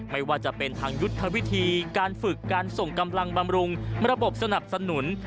ไม่ว่าจะเป็นทางยุทธวิธีการฝึกการส่งกำลังบำรุงระบบสนับสนุน